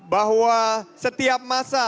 bahwa setiap masa